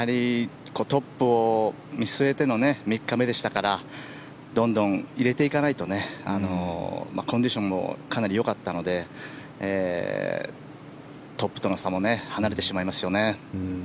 トップを見据えての３日目でしたからどんどん入れていかないとコンディションもかなりよかったのでトップとの差も離れてしまいますよね。